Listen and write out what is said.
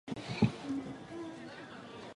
柱果铁线莲为毛茛科铁线莲属下的一个种。